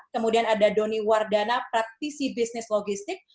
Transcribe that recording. kemudian ada doni wardana praktisi bisnis logistik